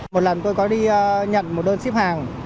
một lần tôi có đi nhận một đơn ship hàng